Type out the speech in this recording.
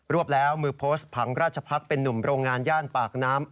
วบแล้วมือโพสต์ผังราชพักษ์เป็นนุ่มโรงงานย่านปากน้ำ